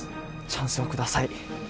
チャンスを下さい。